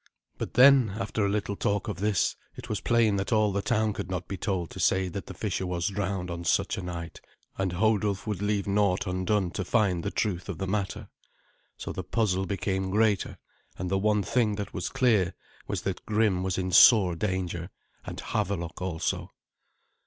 But then, after a little talk of this, it was plain that all the town could not be told to say that the fisher was drowned on such a night, and Hodulf would leave naught undone to find the truth of the matter. So the puzzle became greater, and the one thing that was clear was that Grim was in sore danger, and Havelok also.